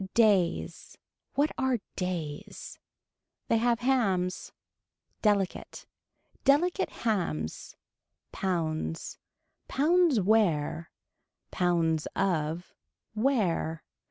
Days. What are days. They have hams. Delicate. Delicate hams. Pounds. Pounds where. Pounds of. Where.